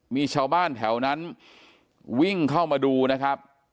มีชาวบ้านแถวนั้นวิ่งเข้ามาดูนะครับ